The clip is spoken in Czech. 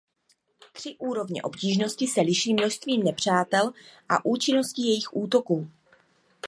Tři úrovně obtížnosti se liší množstvím nepřátel a účinností jejich útoků.